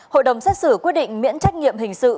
hội đồng xét xử quyết định miễn trách nhiệm hình sự